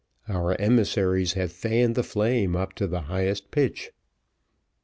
Our emissaries have fanned the flame up to the highest pitch."